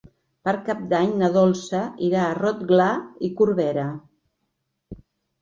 Per Cap d'Any na Dolça irà a Rotglà i Corberà.